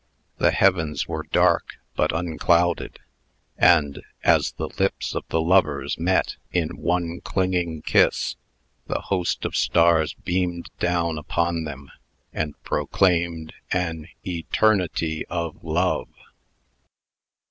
The heavens were dark, but unclouded; and, as the lips of the lovers met in one clinging kiss, the host of stars beamed down upon them, and proclaimed an ETERNITY OF LOVE.